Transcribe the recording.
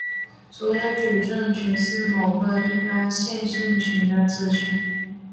所有矩阵群是某个一般线性群的子群。